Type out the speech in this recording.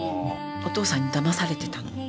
お父さんにだまされてたの。